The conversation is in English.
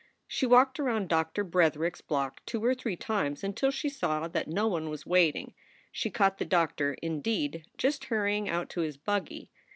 She walked around Doctor Bretherick s block two or three times until she saw that no one was waiting. She caught the doctor, indeed, just hurrying out to his buggy.